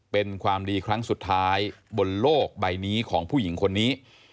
เป็นความดีครั้งสุดท้ายบนโลกใบนี้ของผู้หญิงคนนี้